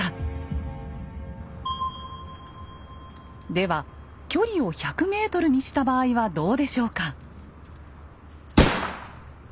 では距離を１００ｍにした場合はどうでしょうか？